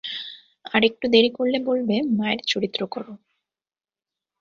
আর একটু দেড়ি করলে বলবে মায়ের চরিত্র করো।